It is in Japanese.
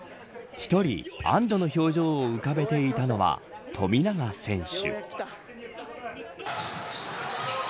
１人安堵の表情を浮かべていたのは富永選手。